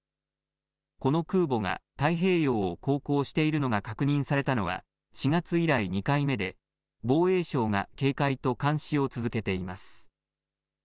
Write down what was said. この空母が太平洋を航行しているのが確認されたのは４月以来、２回目で防衛省が警戒と監視を続けています。